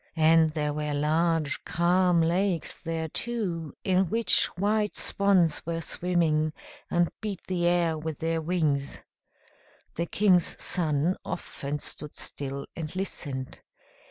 And there were large calm lakes there too, in which white swans were swimming, and beat the air with their wings. The King's Son often stood still and listened.